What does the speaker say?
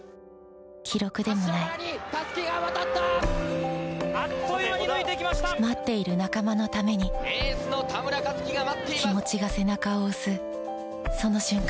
記録でもない待っている仲間のために気持ちが背中を押すその瞬間